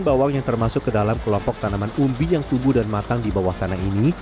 bawang yang termasuk ke dalam kelompok tanaman umbi yang tumbuh dan matang di bawah tanah ini